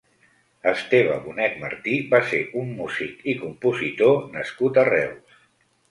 Esteve Bonet Martí va ser un músic i compositor nascut a Reus.